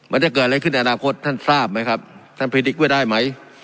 มันจะเกิดอะไรขึ้นในอนาคตท่านทราบไหมครับท่านพลิกไว้ได้ไหม